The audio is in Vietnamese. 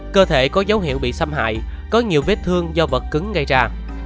cơ thể có dấu hiệu bị xâm hại có nhiều vết thương do vật cứng gây ra